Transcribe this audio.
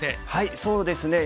そうですね。